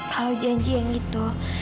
kalau janji yang begitu